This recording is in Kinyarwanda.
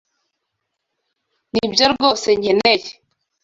Nibyo rwose nkeneye.